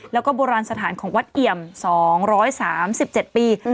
แล้วก็โบราณสถานของวัดเอี่ยม๒๓๗ปี